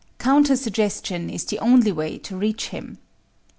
Counter suggestion is the only way to reach him.